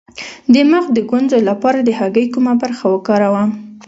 د مخ د ګونځو لپاره د هګۍ کومه برخه وکاروم؟